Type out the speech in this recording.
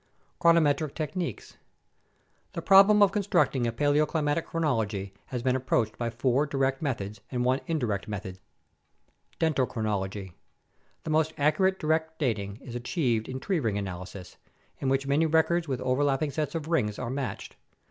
Chronometric Techniques The problem of constructing a paleoclimatic chronology has been ap proached by four direct methods and one indirect method. Dendrochronology The most accurate direct dating is achieved in tree ring analysis, in which many records with overlapping sets of rings are matched.